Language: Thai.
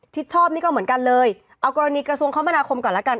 ชอบนี่ก็เหมือนกันเลยเอากรณีกระทรวงคมนาคมก่อนแล้วกัน